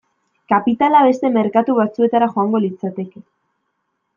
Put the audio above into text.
Kapitala beste merkatu batzuetara joango litzateke.